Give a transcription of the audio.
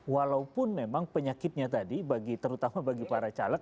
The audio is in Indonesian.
walaupun memang penyakitnya tadi terutama bagi para caleg